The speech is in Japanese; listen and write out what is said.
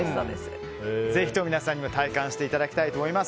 ぜひとも皆さんにも体感していただきたいと思います。